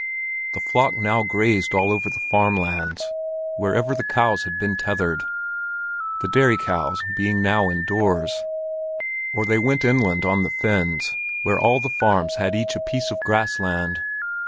The flock now grazed all over the farm lands, wherever the cows had been tethered; the dairy cows being now indoors; or they went inland on the fens, where all the farms had each a piece of grass land.